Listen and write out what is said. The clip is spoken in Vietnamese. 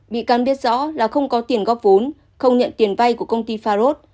vị căn biết rõ là không có tiền góp vốn không nhận tiền vay của công ty faros